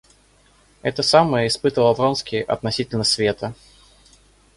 Эго самое испытывал Вронский относительно света.